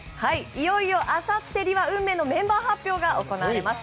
いよいよあさってには運命のメンバー発表が行われます。